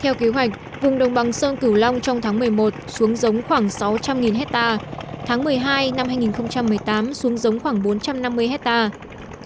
theo kế hoạch vùng đồng bằng sông cửu long trong tháng một mươi một xuống giống khoảng sáu trăm linh hectare tháng một mươi hai năm hai nghìn một mươi tám xuống giống khoảng bốn trăm năm mươi hectare